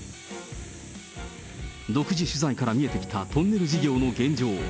独自取材から見えてきたトンネル事業の現状。